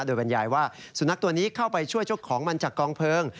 โดยบรรยายว่าสุนัขตัวนี้เข้าไปช่วยเจ้าของมันจากกองเพลิง